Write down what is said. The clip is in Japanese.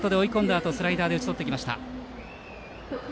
あとスライダーで打ち取りました。